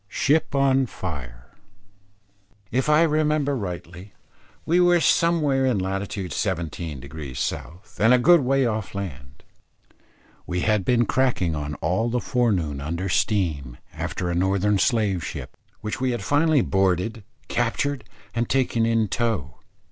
SHIP ON FIRE. If I remember rightly, we were somewhere in lat. 17° South, and a good way off land. We had been cracking on all the forenoon under steam, after a Northern slave ship, which we had finally boarded, captured, and taken in tow.